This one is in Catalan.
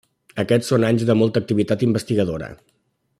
Aquests són anys de molta activitat investigadora.